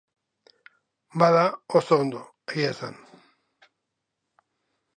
Bada, oso ondo, egia esan.